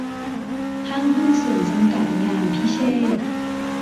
ห้างหุ้นส่วนจำกัด งามพิเชษฐ์